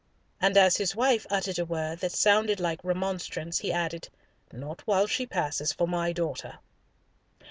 And as his wife uttered a word that sounded like remonstrance, he added, "Not while she passes for my daughter."